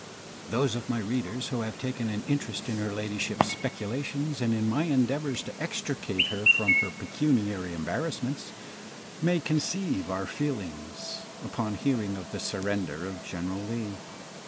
Those of my readers who have taken an interest in her ladyship's speculations and in my endeavours to extricate her from her pecuniary embarrassments, may conceive our feelings upon hearing of the surrender of General Lee.